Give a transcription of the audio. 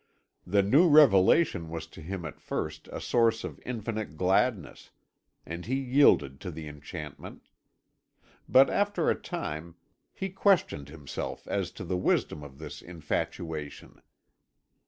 The new revelation was to him at first a source of infinite gladness, and he yielded to the enchantment. But after a time he questioned himself as to the wisdom of this infatuation.